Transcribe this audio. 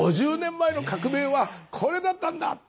５０年前の革命はこれだったんだ！